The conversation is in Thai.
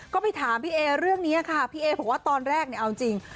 ก็ไปถามพี่เอเรื่องนี้ค่ะพี่เอบอกว่าตอนแรกเนี่ยเอาจริง